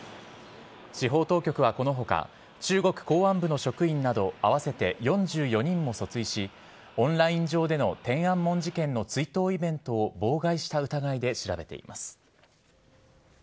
司法当局はこのほか、中国公安部の職員など、合わせて４４人も訴追し、オンライン上での天安門事件の追悼イベントを妨害した疑いで調べています。